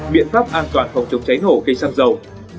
miễn pháp an toàn phòng chống cháy nổ cây xăng dầu